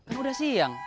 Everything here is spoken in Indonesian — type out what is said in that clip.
kan udah siang